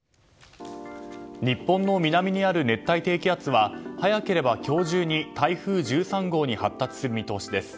日本の南にある熱帯低気圧は早ければ今日中に台風１３号に発達する見通しです。